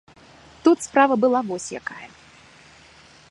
Тут справа была вось якая.